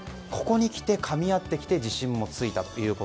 ここにきてかみ合ってきて自信もついたと。